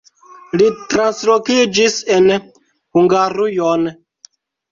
Li translokiĝis en Hungarujon.